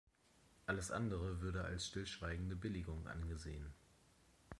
Alles andere würde als stillschweigende Billigung angesehen.